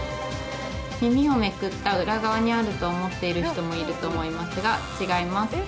耳をめくった裏側にあると思っている人もいると思いますが、違います。